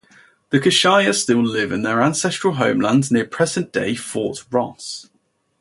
The Kashaya still live in their ancestral homelands near present-day Fort Ross.